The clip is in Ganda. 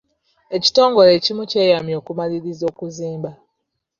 Ekitongole ekimu kyeyamye okumaliriza okuzimba.